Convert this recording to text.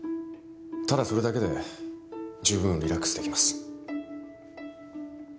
ただそれだけでじゅうぶんリラックスできます。